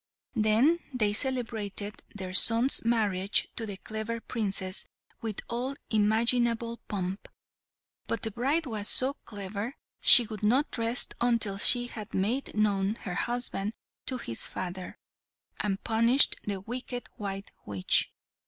Then they celebrated their son's marriage to the clever Princess with all imaginable pomp; but the bride was so clever, she would not rest until she had made known her husband to his father, and punished the wicked white witch.